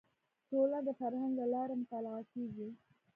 ټولنه د فرهنګ له لارې مطالعه کیږي